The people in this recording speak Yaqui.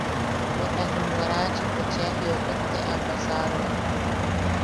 Bweta jum Warachipo cheʼa jiokot te a paasaroa.